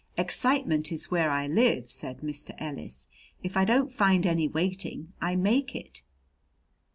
"Excitement is where I live," said Mr. Ellis. "If I don't find any waiting I make it."